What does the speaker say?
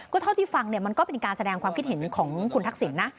เท่าที่ฟังเนี่ยมันก็เป็นการแสดงความคิดเห็นของคุณทักษิณนะ